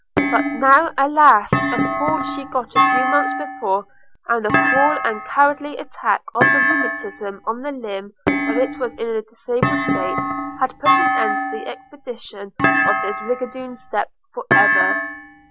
But, now alas! a fall she got a few months before, and the cruel and cowardly attack of the rheumatism on the limb while it was in a disabled state, had put an end to the exhibition of this rigadoon step for ever.